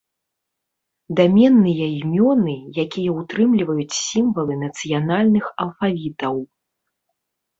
Даменныя імёны, якія ўтрымліваюць сімвалы нацыянальных алфавітаў.